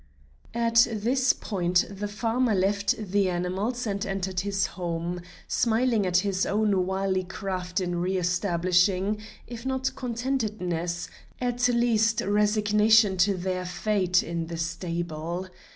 At this point the farmer left the animals and entered his home, smiling at his own wily craft in re establishing, if not contentedness, at least resignation to their fate, in the stable.